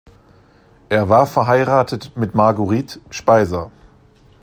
Er war verheiratet mit Marguerite Speiser.